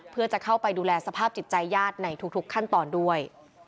เพื่อจะเข้าไปดูแลสภาพจิตใจญาติในทุกขั้นตอนด้วย